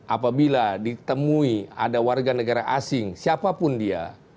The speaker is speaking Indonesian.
apabila ditemui ada warga negara asing siapapun dia